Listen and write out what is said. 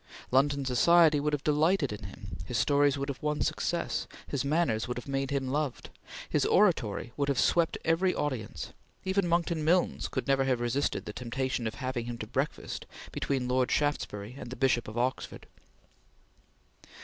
London society would have delighted in him; his stories would have won success; his manners would have made him loved; his oratory would have swept every audience; even Monckton Milnes could never have resisted the temptation of having him to breakfast between Lord Shaftesbury and the Bishop of Oxford.